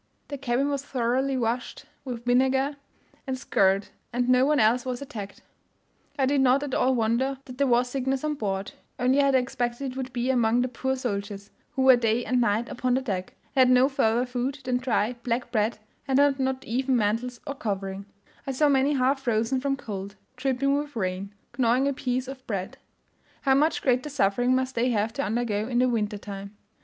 The cabin was thoroughly washed with vinegar, and scoured, and no one else was attacked. I did not at all wonder that there was sickness on board, only I had expected it would be among the poor soldiers, who were day and night upon the deck, and had no further food than dry, black bread, and had not even mantles or covering; I saw many half frozen from cold, dripping with rain, gnawing a piece of bread: how much greater suffering must they have to undergo in the winter time!